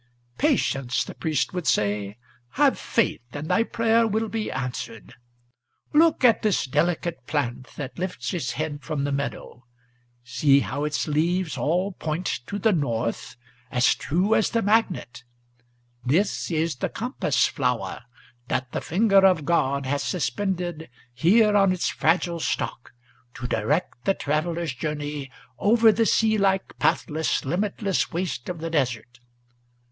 "Patience!" the priest would say; "have faith, and thy prayer will be answered! Look at this delicate plant that lifts its head from the meadow, See how its leaves all point to the north, as true as the magnet; This is the compass flower, that the finger of God has suspended Here on its fragile stock, to direct the traveller's journey Over the sea like, pathless, limitless waste of the desert.